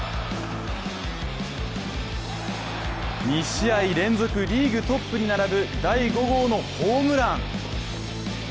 ２試合連続、リーグトップに並ぶ第５号のホームラン。